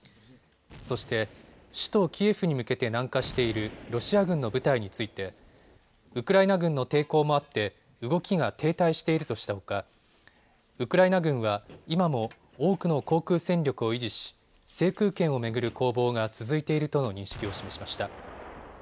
そして、首都キエフに向けて南下しているロシア軍の部隊についてウクライナ軍の抵抗もあって動きが停滞しているとしたほかウクライナ軍は今も多くの航空戦力を維持し制空権を巡る攻防が続いているとの認識を示しました。